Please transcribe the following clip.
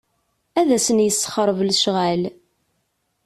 Ad asen-yessexreb lecɣal.